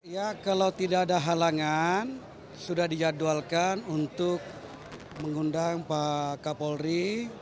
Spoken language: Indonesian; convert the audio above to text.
ya kalau tidak ada halangan sudah dijadwalkan untuk mengundang pak kapolri